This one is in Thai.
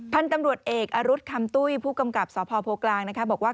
ท่านตำรวจเอกอรุษคำตุ้ยผู้กำกับสพโพกลางบอกว่า